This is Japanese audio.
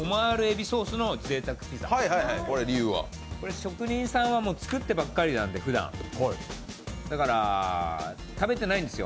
職人さんはふだん、作ってばかりなのでだから、食べてないんですよ